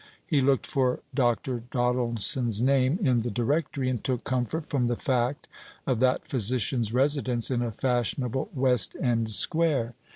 He looked for Dr. Doddleson's name in the Directory, and took comfort from the fact of that physician's residence in a fashionable West End square.